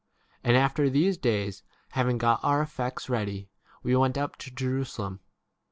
And after these days, having got our effects ready, we went up to Jerusalem.